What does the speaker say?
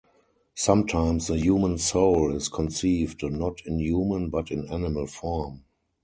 Sometimes the human soul is conceived not in human but in animal form.